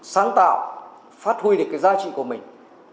sáng tạo phát huy được cái giá trị của mình